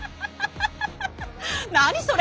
何それ？